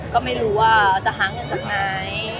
ก็ไม่รู้ว่าจะหาเงินจากไหน